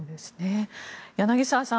柳澤さん